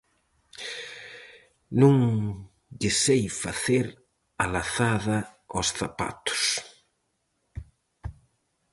Non lle sei facer a lazada aos zapatos.